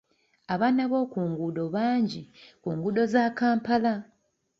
Abaana b'oku nguudo bangi ku nguudo za Kampala.